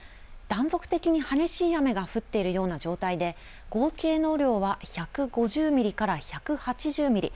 断続的に激しい雨が降っているような状態で合計の雨量は１５０ミリから１８０ミリ。